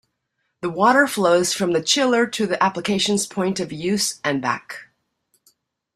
The water flows from the chiller to the application's point of use and back.